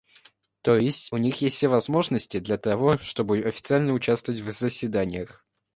То есть, у них есть все возможности для того, чтобы официально участвовать в заседаниях.